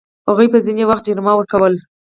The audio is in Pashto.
هغوی به ځینې وخت جریمه ورکوله.